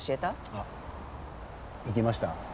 あっ行きました？